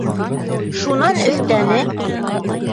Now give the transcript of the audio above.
Шунан өҫтәне.